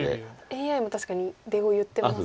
ＡＩも確かに出を言ってます。